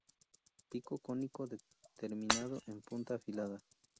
Pico cónico, terminado en punta afilada.